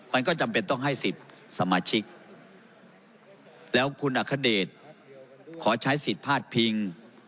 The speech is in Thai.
มันก็จำเป็นต้องให้สิทธิ์สมาชิกแล้วคุณอัคเดชขอใช้สิทธิ์พาดพิง